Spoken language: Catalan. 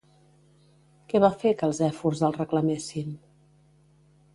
Què va fer que els èfors el reclamessin?